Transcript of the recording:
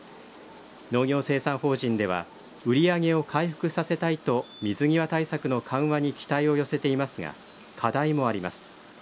農業生産法人では売り上げを回復させたいと水際対策の緩和に期待を寄せていますが課題もあります。